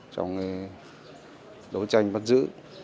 trong đấu tranh bắt giữ